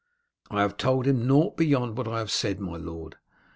"I have told him nought beyond what I have said, my lord.